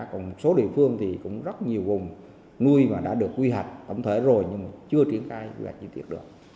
còn một số địa phương thì cũng rất nhiều vùng nuôi mà đã được quy hoạch tổng thể rồi nhưng mà chưa triển khai quy hoạch chi tiết được